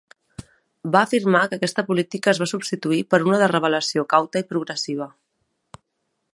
Va afirmar que aquesta política es va substituir per una de revelació cauta i progressiva.